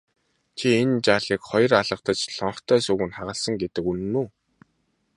Чи энэ жаалыг хоёр алгадаж лонхтой сүүг нь хагалсан гэдэг үнэн үү?